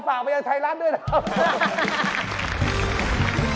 ฝากไปในไทยรัฐด้วยนะ